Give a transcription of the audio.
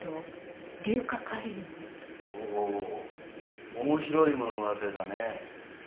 おお面白いものが出たね。